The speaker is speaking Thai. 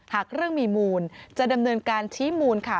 หากเรื่องมีมูลจะดำเนินการชี้มูลค่ะ